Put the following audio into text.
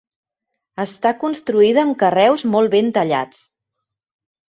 Està construïda amb carreus molt ben tallats.